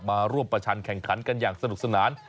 มาร่วมประชันแข่งขันกันอย่างสนุกสนาน